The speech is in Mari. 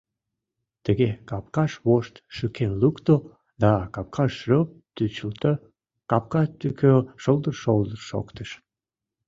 Тыге капкаш вошт шӱкен лукто да капка шроп тӱчылтӧ, капка тӱкӧ шылдыр-шолдыр шоктыш.